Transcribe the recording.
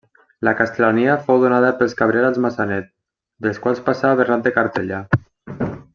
La castlania fou donada pels Cabrera als Maçanet, dels quals passà a Bernat de Cartellà.